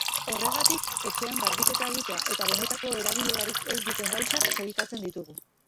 Horregatik, etxean garbiketa egitea eta benetako erabilerarik ez duten gauzak sailkatzen ditugu.